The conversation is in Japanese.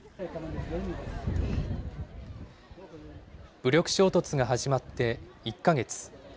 武力衝突が始まって１か月。